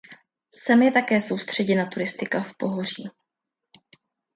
Sem je také soustředěna turistika v pohoří.